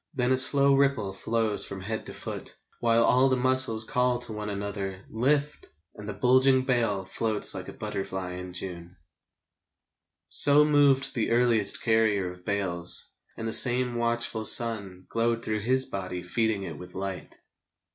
Then a slow ripple flows along the body, While all the muscles call to one another :" Lift !" and the bulging bale Floats like a butterfly in June. So moved the earliest carrier of bales, And the same watchful sun Glowed through his body feeding it with light.